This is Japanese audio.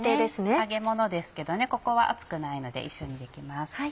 揚げものですけどここは熱くないので一緒にできます。